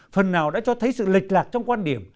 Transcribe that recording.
phần nào đã cho thấy sự lệch lạc trong quan điểm